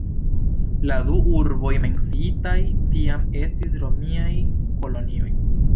La du urboj menciitaj tiam estis romiaj kolonioj.